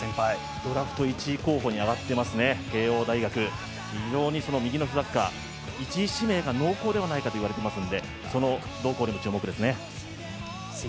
ドラフト１位候補に挙がっています、慶應大学、右のスラッガー１位指名が濃厚ではないかと言われていますのでその動向に注目ですね。